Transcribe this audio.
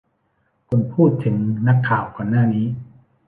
คุณพูดถึงนักข่าวก่อนหน้านี้ ?